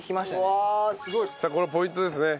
さあこれポイントですね。